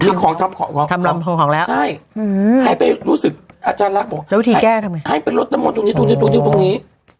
ทำของใช่ให้ไปรู้สึกอาจารย์รักให้ไปรสตำรงตรงนี้ตรงนี้